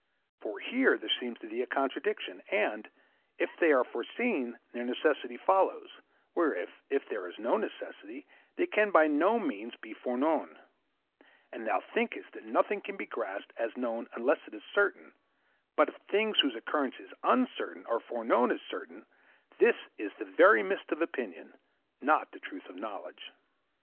For here there seems to thee a contradiction, and, if they are foreseen, their necessity follows; whereas if there is no necessity, they can by no means be foreknown; and thou thinkest that nothing can be grasped as known unless it is certain, but if things whose occurrence is uncertain are foreknown as certain, this is the very mist of opinion, not the truth of knowledge.